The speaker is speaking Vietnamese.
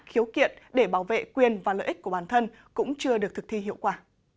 khiếu kiện để bảo vệ quyền và lợi ích của bản thân cũng chưa được thực thi hiệu quả